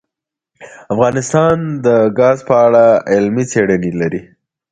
افغانستان د ګاز په اړه علمي څېړنې لري.